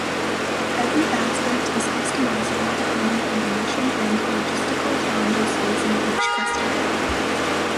Every aspect is customizable depending on the mission and logistical challenges facing each customer.